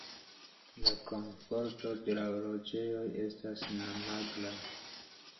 La komforto de la loĝejoj estas magra.